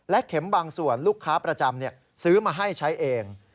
เข็มบางส่วนลูกค้าประจำซื้อมาให้ใช้เอง